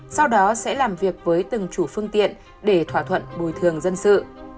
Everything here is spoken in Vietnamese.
sau đó sẽ làm việc với từng chủ phương tiện để thỏa thuận bồi thường dân sự